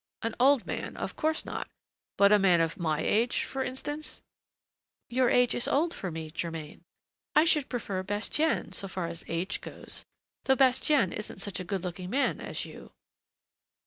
"An old man, of course not; but a man of my age, for instance?" "Your age is old for me, Germain; I should prefer Bastien so far as age goes, though Bastien isn't such a good looking man as you."